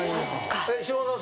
嶋田さん